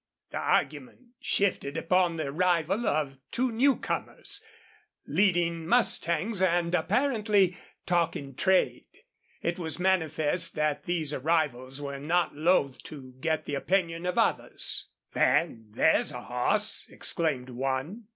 The argument shifted upon the arrival of two new comers, leading mustangs and apparently talking trade. It was manifest that these arrivals were not loath to get the opinions of others. "Van, there's a hoss!" exclaimed one.